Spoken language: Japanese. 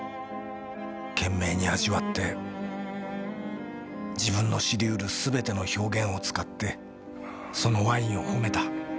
懸命に味わって自分の知りうるすべての表現を使ってそのワインを褒めた。